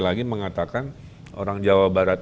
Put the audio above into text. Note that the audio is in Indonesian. lagi mengatakan orang jawa barat